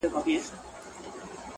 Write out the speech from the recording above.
ستا په دې معاش نو کمه خوا سمېږي,